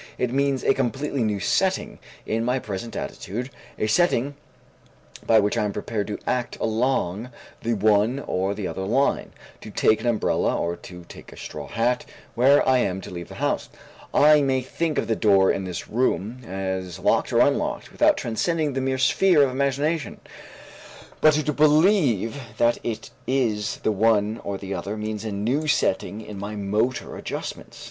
It means a completely new setting in my present attitude, a setting by which I am prepared to act along the one or the other line, to take an umbrella or to take a straw hat, when I am to leave the house. I may think of the door of this room as locked or unlocked without transcending the mere sphere of imagination, but to believe that it is the one or the other means a new setting in my motor adjustments.